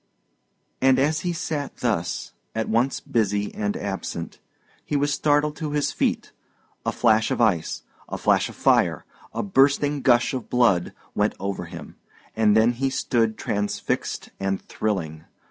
And as he sat thus, at once busy and absent, he was startled to his feet. A flash of ice, a flash of fire, a bursting gush of blood, went over him, and then he stood transfixed and thrilling.